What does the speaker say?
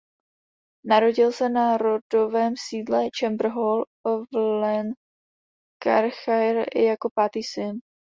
Narodil se na rodovém sídle "Chamber Hall" v Lancashire jako pátý syn.